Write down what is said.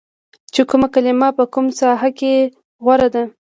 چې کومه کلمه په کومه ساحه کې غوره ده